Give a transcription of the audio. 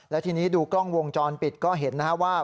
และทีนี้ดูกล้องวงจรปิดก็เห็นนะครับว่า